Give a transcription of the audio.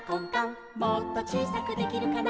「もっとちいさくできるかな」